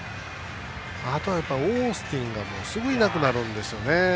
あとは、オースティンがすぐいなくなるんですよね。